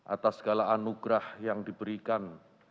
atas segala anugerah yang diberikan